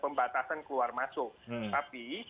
pembatasan keluar masuk tapi